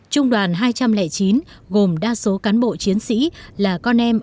trung đoàn hai trăm linh chín gồm đa số cán bộ chiến sĩ là con em